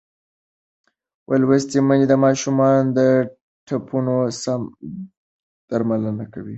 لوستې میندې د ماشومانو د ټپونو سم درملنه کوي.